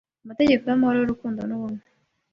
Amategeko yamahoro yurukundo nubumwe